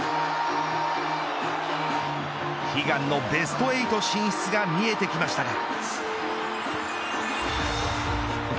悲願のベスト８進出が見えてきましたが。